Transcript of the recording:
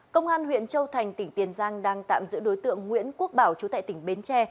công an huyện châu thành tỉnh tiền giang đang tạm giữ đối tượng nguyễn quốc bảo chú tại tỉnh bến tre